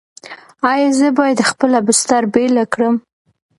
ایا زه باید خپله بستر بیله کړم؟